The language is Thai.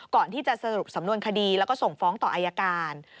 ก่อนที่จะสรุปสำนวนคดีแล้วก็ส่งฟ้องต่ออายการ